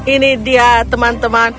ini dia teman teman